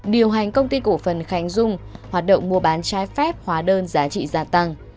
điều hành công ty cổ phần khánh dung hoạt động mua bán trái phép hóa đơn giá trị gia tăng